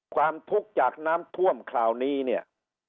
ความทุกข์จากน้ำท่วมคราวนี้เนี่ย